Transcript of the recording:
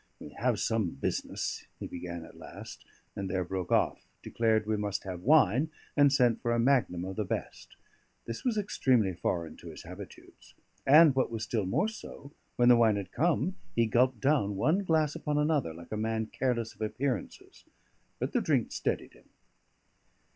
"We have some business," he began at last; and there broke off, declared we must have wine, and sent for a magnum of the best. This was extremely foreign to his habitudes; and, what was still more so, when the wine had come, he gulped down one glass upon another like a man careless of appearances. But the drink steadied him.